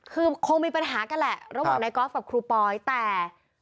คือคงมีปัญหากันแหละระหว่างนายกอล์ฟกับครูปอยแต่